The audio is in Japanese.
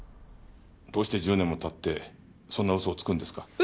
どうして１０年も経ってそんな嘘をつくんですか？